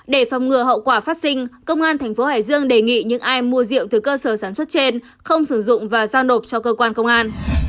để phòng ngừa hậu quả phát sinh công an tp hải dương đề nghị những ai mua rượu từ cơ sở sản xuất trên không sử dụng và giao nộp cho cơ quan công an